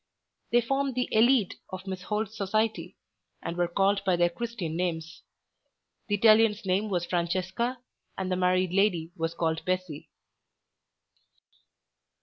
They formed the élite of Miss Holt's society and were called by their Christian names. The Italian's name was Francesca and the married lady was called Bessy.